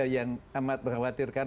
yang amat mengkhawatirkan